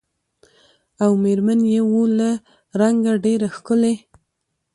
او مېر من یې وه له رنګه ډېره ښکلې